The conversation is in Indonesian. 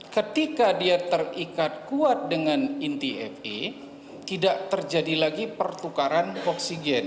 ketika dia terikat kuat dengan inti fa tidak terjadi lagi pertukaran oksigen